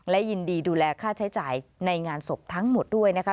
และยินดีดูแลค่าใช้จ่ายในงานศพทั้งหมดด้วยนะคะ